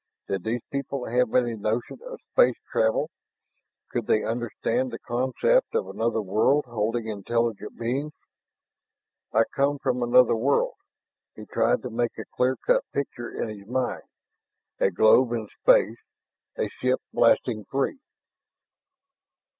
Did these people have any notion of space travel? Could they understand the concept of another world holding intelligent beings? "I come from another world...." He tried to make a clean cut picture in his mind a globe in space, a ship blasting free....